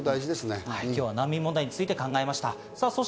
今日は難民問題について考えました。